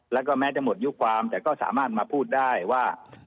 แล้วก็แม้จะหมดยุคความแต่ก็สามารถมาพูดได้ว่า